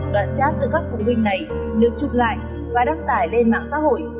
đoạn chat giữa các phụ huynh này được chụp lại và đăng tải lên mạng xã hội